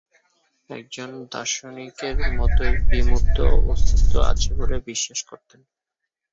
একজন দার্শনিকের মতই বিমূর্ত এর অস্তিত্ব আছে বলে বিশ্বাস করতেন।